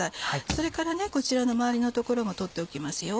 それからこちらの周りの所も取っておきますよ。